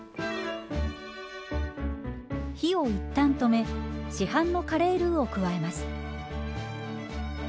火を一旦止め市販のカレールウを加えます。